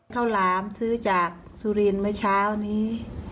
หลามซื้อจากสุรินทร์เมื่อเช้านี้